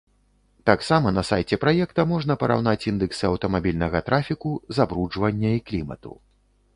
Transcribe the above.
Таксама на сайце праекта можна параўнаць індэксы аўтамабільнага трафіку, забруджвання і клімату.